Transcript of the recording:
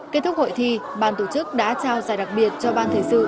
kết thúc hội thi ban tổ chức đã trao giải đặc biệt cho ban thời sự